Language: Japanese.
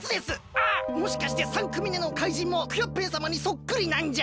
あっもしかして３くみめの怪人もクヨッペンさまにそっくりなんじゃ？